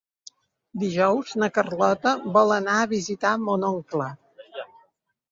Dijous na Carlota vol anar a visitar mon oncle.